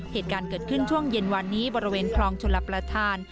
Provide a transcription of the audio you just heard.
เหตุการณ์เกิดขึ้นช่วงเย็นวันนี้บริเวณคลองชลประธาน